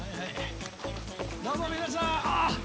どうも皆さん！